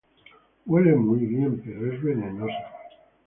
Huele muy bien pero es venenosa.